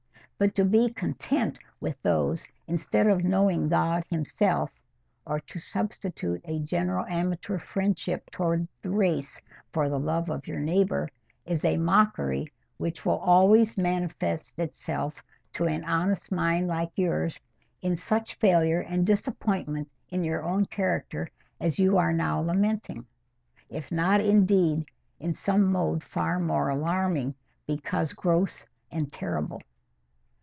But to be content with those, instead of knowing God himself, or to substitute a general amateur friendship towards the race for the love of your neighbour, is a mockery which will always manifest itself to an honest mind like yours in such failure and disappointment in your own character as you are now lamenting, if not indeed in some mode far more alarming, because gross and terrible."